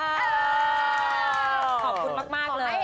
ขอบคุณมากเลย